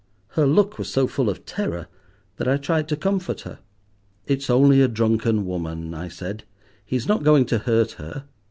Her look was so full of terror that I tried to comfort her. "It's only a drunken woman," I said; "he's not going to hurt her."